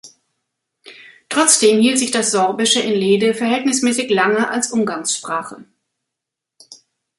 Trotzdem hielt sich das Sorbische in Lehde verhältnismäßig lange als Umgangssprache.